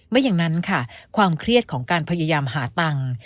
ไม่อย่างนั้นค่ะความเครียดของการพยายามหาตังค์